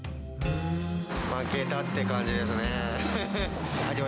負けたって感じですね。